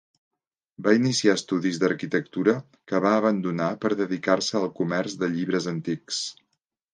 Va iniciar estudis d'arquitectura que va abandonar per dedicar-se al comerç de llibres antics.